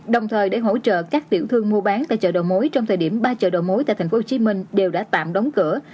đồng thời để hỗ trợ các tiểu thương mua bán tại chợ đầu mối trong thời điểm ba chợ đầu mối tại tp hcm đều đã tạm đóng cửa